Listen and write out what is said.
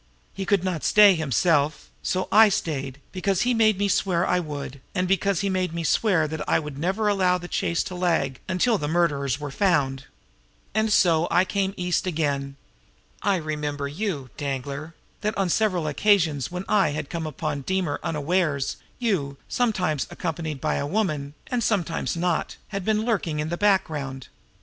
He could not stay himself; and so I stayed because he made me swear I would, and because he made me swear that I would never allow the chase to lag until the murderers were found. "And so I came East again. I remembered you, Danglar that on several occasions when I had come upon Deemer unawares, you, sometimes accompanied by a woman, and sometimes not, had been lurking in the background.